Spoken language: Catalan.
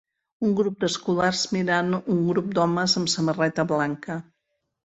Un grup d'escolars mirant un grup d'homes amb samarreta blanca.